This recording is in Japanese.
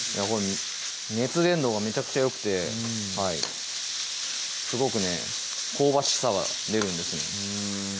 熱伝導がめちゃくちゃよくてすごくね香ばしさが出るんですうん